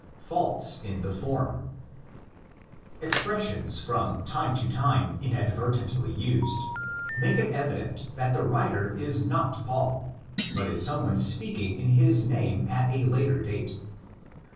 Faults in the Form. Expressions from time to time inadvertently used make it evident that the writer is not Paul, but is some one speaking in his name at a later date.